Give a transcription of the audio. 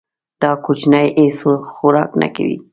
دا کوچنی هیڅ خوراک نه کوي.